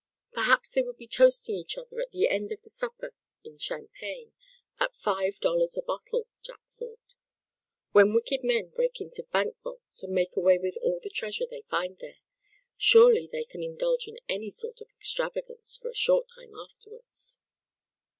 Perhaps they would be toasting each other at the end of the supper in champagne, at five dollars the bottle, Jack thought. When wicked men break into bank vaults, and make way with all the treasure they find there, surely they can indulge in any sort of extravagance for a short time afterwards.